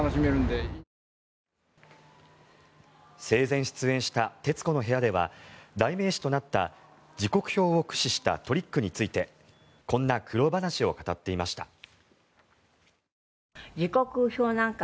生前出演した「徹子の部屋」では代名詞となった時刻表を駆使したトリックについてこんな苦労話を語っていました。